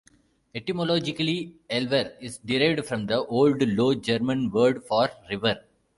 Etymologically, "elver" is derived from the old Low German word for "river.